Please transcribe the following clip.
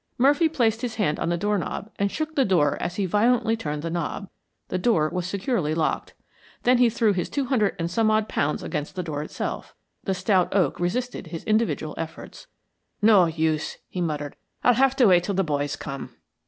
Murphy placed his hand on the doorknob and shook the door as he violently turned the knob. The door was securely locked. Then he threw his two hundred and some odd pounds against the door itself. The stout oak resisted his individual efforts. "No use," he grumbled. "I'll have to wait 'till the boys come."